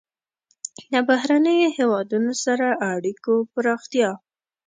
له بهرنیو هېوادونو سره اړیکو پراختیا.